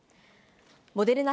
モデルナ